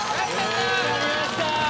やりました！